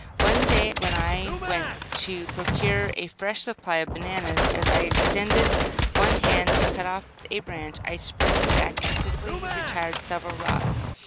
One day when I went to procure a fresh supply of bananas, as I extended one hand to cut off a bunch, I sprang back and quickly retired several rods.